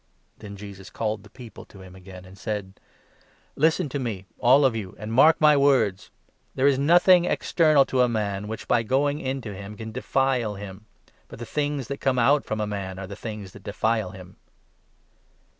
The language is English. Then Jesus called the people to him again, and said : "Listen to me, all of you, and mark my words. There is nothing external to a man, which by going into him can ' defile ' him ; but the things that come out from a man are the things that defile him."